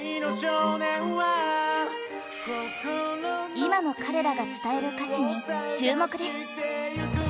今の彼らが伝える歌詞に注目です